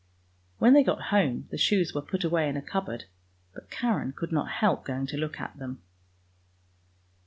When they got home the shoes were put away in a cupboard, but Karen could not help going to look at them.